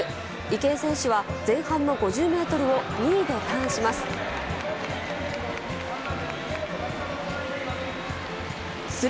池江選手は前半の５０メートルを２位でターンします。